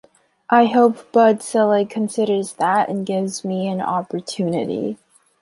I hope Bud Selig considers that and gives me an opportunity.